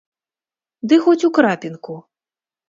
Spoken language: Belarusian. Ды хоць у крапінку!